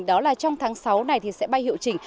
đó là trong tháng sáu này thì sẽ bay hiệu chỉnh